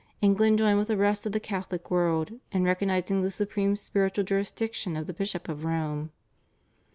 England joined with the rest of the Catholic world in recognising the supreme spiritual jurisdiction of the Bishop of Rome.